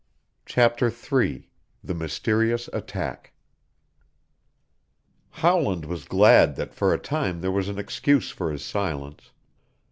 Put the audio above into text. CHAPTER III THE MYSTERIOUS ATTACK Howland was glad that for a time there was an excuse for his silence.